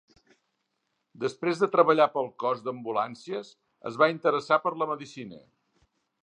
Després de treballar pel cos d'ambulàncies, es va interessar per la medicina.